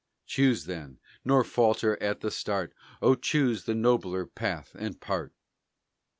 Choose then, nor falter at the start, O choose the nobler path and part!